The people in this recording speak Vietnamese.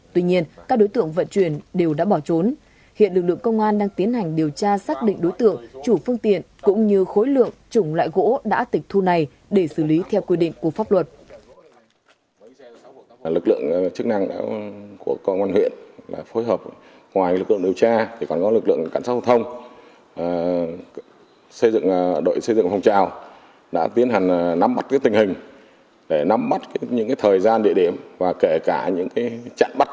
tuy nhiên các đối tượng vận chuyển đều đã bỏ trốn hiện lực lượng công an đang tiến hành điều tra xác định đối tượng chủ phương tiện cũng như khối lượng trùng lại gỗ đã tịch thu này để xử lý theo quy định của pháp luật